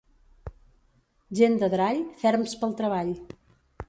Gent d'Adrall, ferms pel treball.